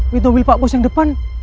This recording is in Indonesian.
mobil pak bos yang depan